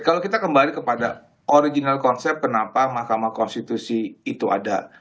kalau kita kembali kepada original concept kenapa mahkamah konstitusi itu ada